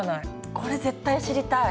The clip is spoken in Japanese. これ絶対知りたい！